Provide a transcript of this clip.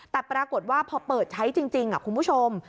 แต่ปรากฏว่าพอเปิดใช้จริงคุณผู้ชม